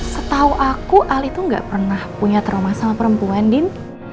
setahu aku ali itu gak pernah punya trauma sama perempuan din